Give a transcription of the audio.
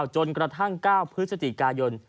จนกระทั่ง๙พฤศจิกายน